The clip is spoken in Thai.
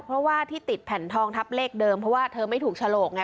เพราะว่าที่ติดแผ่นทองทับเลขเดิมเพราะว่าเธอไม่ถูกฉลกไง